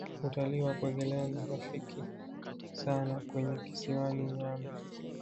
Utalii wa kuogelea ni rafiki sana kwenye kisiwani nyambe